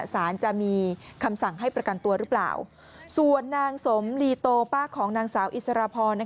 สารจะมีคำสั่งให้ประกันตัวหรือเปล่าส่วนนางสมลีโตป้าของนางสาวอิสรพร